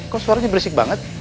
kok suaranya berisik banget